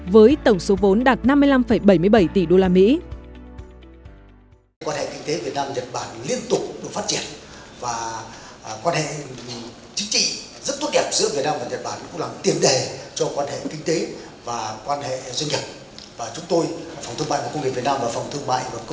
với tổng số vốn đạt năm mươi năm bảy mươi bảy tỷ đô la mỹ